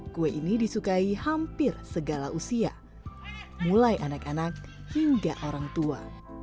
kue ini disukai hampir segala usia mulai anak anak hingga orang tua